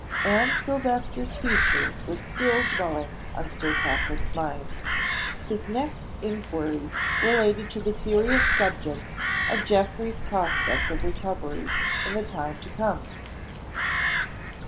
Anne Silvester's future was still dwelling on Sir Patrick's mind. His next inquiry related to the serious subject of Geoffrey's prospect of recovery in the time to come.